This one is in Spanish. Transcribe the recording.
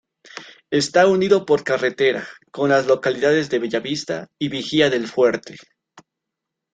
Está unido por carretera con las localidades de "Bellavista" y Vigía del Fuerte.